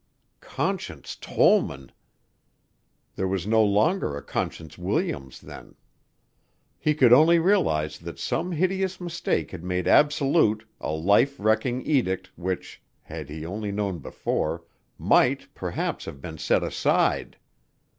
Conscience Tollman! There was no longer a Conscience Williams then. He could only realize that some hideous mistake had made absolute a life wrecking edict which had he only known before might, perhaps have been set aside.